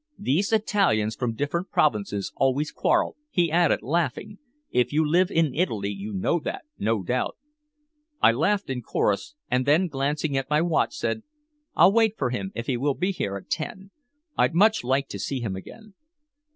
These Italians from different provinces always quarrel," he added, laughing. "If you live in Italy you know that, no doubt." I laughed in chorus, and then glancing at my watch, said: "I'll wait for him, if he will be here at ten. I'd much like to see him again."